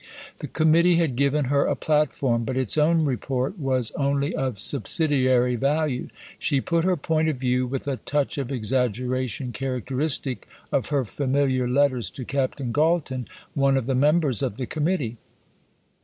The Committee had given her a platform, but its own Report was only of subsidiary value. She put her point of view with a touch of exaggeration characteristic of her familiar letters to Captain Galton, one of the members of the Committee.